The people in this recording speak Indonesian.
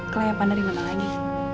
kelayapan dari mana lagi